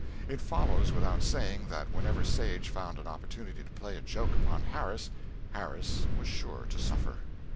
It follows, without saying, that whenever Sage found an opportunity to play a joke upon Harris, Harris was sure to suffer.